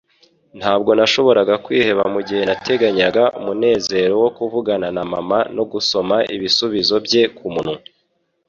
Ntabwo nashoboraga kwiheba mugihe nateganyaga umunezero wo kuvugana na mama no gusoma ibisubizo bye kumunwa.